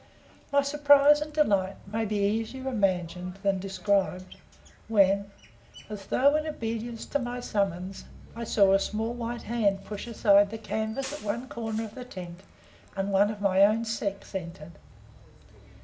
My surprise and delight may be easier imagined than described, when, as though in obedience to my summons, I saw a small white hand push aside the canvas at one corner of the tent, and one of my own sex entered.